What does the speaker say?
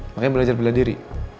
makanya belajar bela diri